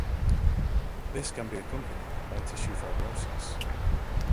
This can be accompanied by tissue fibrosis.